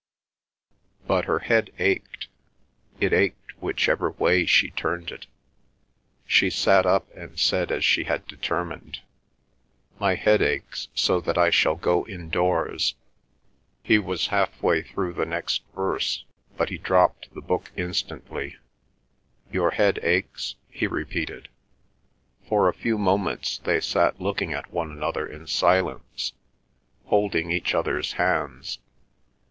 But her head ached; it ached whichever way she turned it. She sat up and said as she had determined, "My head aches so that I shall go indoors." He was half way through the next verse, but he dropped the book instantly. "Your head aches?" he repeated. For a few moments they sat looking at one another in silence, holding each other's hands.